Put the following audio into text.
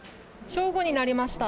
正午になりました。